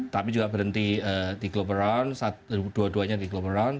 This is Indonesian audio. tapi juga berhenti di global round dua duanya di global round